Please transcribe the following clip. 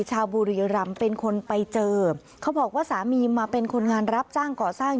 ชาวบุรีรำเป็นคนไปเจอเขาบอกว่าสามีมาเป็นคนงานรับจ้างก่อสร้าง